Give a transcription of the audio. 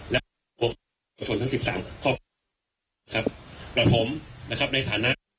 และทุกคนทั้งสิบสามข้อมูลนะครับและผมนะครับในฐานะ